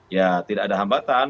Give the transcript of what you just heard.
ya tidak ada hambatan